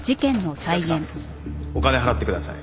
お客さんお金払ってください。